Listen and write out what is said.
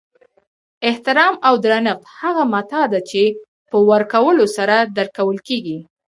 احترام او درنښت هغه متاع ده چی په ورکولو سره درکول کیږي